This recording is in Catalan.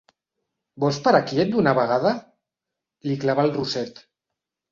Vols parar quiet d'una vegada! –li clavà al rosset–.